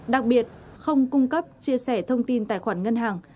đặc biệt không cung cấp chia sẻ thông tin tài khoản ngân hàng